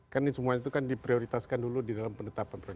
kan ini semuanya itu kan diprioritaskan dulu di dalam pendetapan